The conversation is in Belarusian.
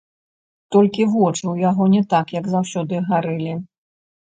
Толькі вочы ў яго не так, як заўсёды, гарэлі.